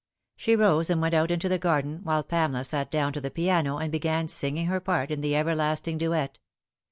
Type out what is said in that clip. She rose and went out into the garden, while Pamela sat down to the piano and began singing her part in the everlasting duet.